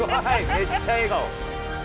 めっちゃ笑顔。